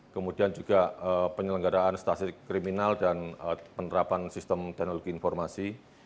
kemudian juga penyelenggaraan stasiun kriminal dan penerapan sistem teknologi informasi